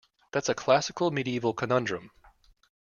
That's a classic medieval conundrum.